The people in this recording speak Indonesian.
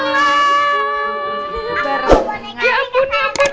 ya ampun ya ampun ya ampun ya ampun